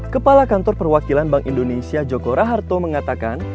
kepala kantor perwakilan bank indonesia joko raharto mengatakan